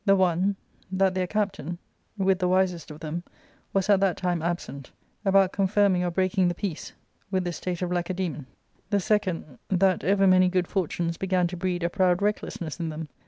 The one, that their captain, with the wisest of them^ was at that time absent, about confirming or breaking the peace with the state of Lacedaemon ; the sesand^ that over many good fortunes b^gan to breed a proud recklessness in them